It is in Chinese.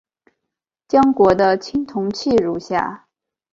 江国的青铜器如下。